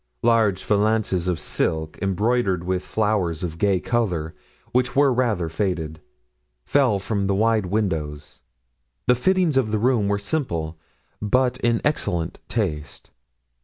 Large valances of silk, embroidered with flowers of gay colors, which were rather faded, fell from the wide windows; the fittings of the room were simple, but in excellent taste.